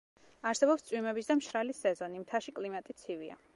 არსებობს წვიმების და მშრალი სეზონი, მთაში კლიმატი ცივია.